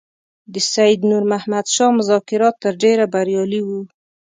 د سید نور محمد شاه مذاکرات تر ډېره بریالي وو.